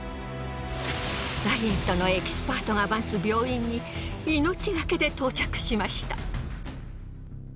ダイエットのエキスパートが待つ病院に命がけで到着しました。